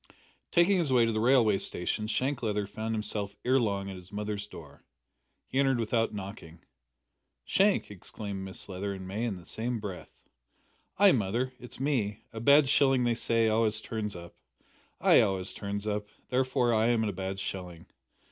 Taking his way to the railway station Shank Leather found himself ere long at his mother's door. He entered without knocking. "Shank!" exclaimed Mrs Leather and May in the same breath. "Ay, mother, it's me. A bad shilling, they say, always turns up. I always turn up, therefore I am a bad shilling!